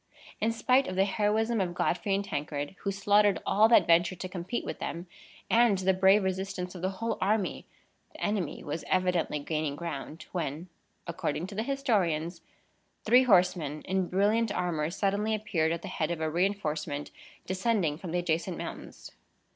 In spite of the heroism of Godfrey and Tancred, who slaughtered all that ventured to compete with them, and the brave resistance of the whole army, the enemy was evidently gaining ground, when (according to the historians) three horsemen, in brilliant armor, suddenly appeared at the head of a reinforcement descending from the adjacent mountains.